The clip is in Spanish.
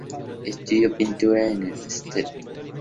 Estudió pintura en el St.